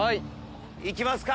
いきますか！